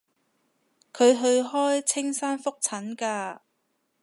佢去開青山覆診㗎